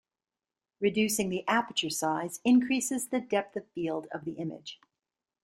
Reducing the aperture size increases the depth of field of the image.